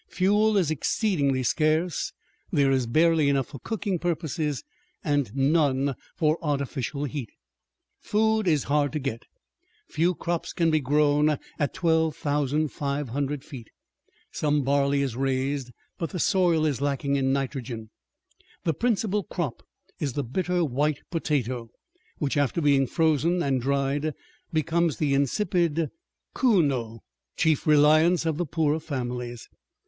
Fuel is exceedingly scarce, there is barely enough for cooking purposes, and none for artificial heat. Food is hard to get. Few crops can be grown at 12,500 feet. Some barley is raised, but the soil is lacking in nitrogen. The principal crop is the bitter white potato, which, after being frozen and dried, becomes the insipid chuño, chief reliance of the poorer families.